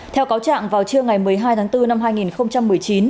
theo cáo trạng vào trưa ngày một mươi hai tháng bốn năm hai nghìn một mươi chín